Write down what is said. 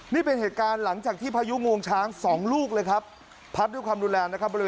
นี่เป็นเหตุการณ์หลังจากที่พายุงวงช้าง๒ลูกเลยครับ